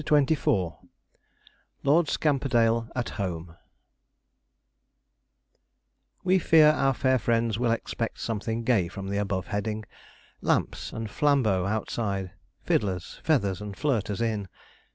CHAPTER XXIV LORD SCAMPERDALE AT HOME We fear our fair friends will expect something gay from the above heading lamps and flambeaux outside, fiddlers, feathers, and flirters in.